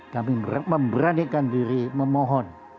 kami memberanikan diri memohon